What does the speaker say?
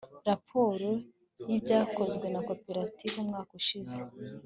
raporo y'ibyakozwe na koperative umwaka ushize